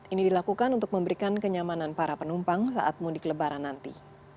ini dilakukan untuk memberikan kenyamanan para penumpang saat mudik lebaran nanti